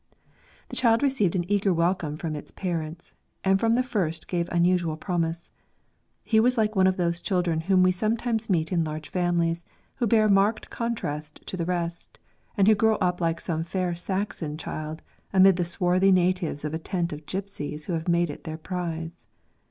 The child received an eager welcome from its parents, and from the first gave unusual promise. He was like one of those children, whom we sometimes meet in large families, who bear a marked contrast to the rest ; and who grow up like some fair Saxon child amid the swarthy natives of a tent of gipsies who have made it their prize.